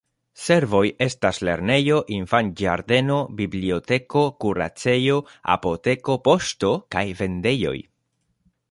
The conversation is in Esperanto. Servoj estas lernejo, infanĝardeno, biblioteko, kuracejo, apoteko, poŝto kaj vendejoj.